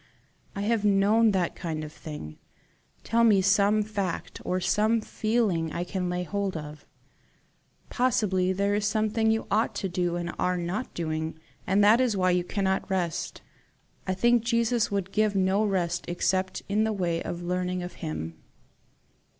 I have known that kind of thing. Tell me some fact or some feeling I can lay hold of. Possibly there is something you ought to do and are not doing, and that is why you cannot rest. I think Jesus would give no rest except in the way of learning of him."